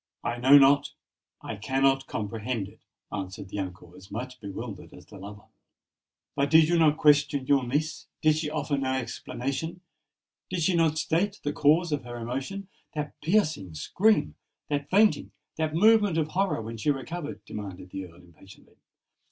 "I know not—I cannot comprehend it," answered the uncle, as much bewildered as the lover. "But did you not question your niece? did she offer no explanation? did she not state the cause of her emotion—that piercing scream—that fainting—that movement of horror when she recovered?" demanded the Earl, impatiently.